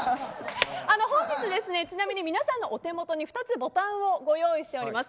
本日皆さんのお手元に２つボタンをご用意しております。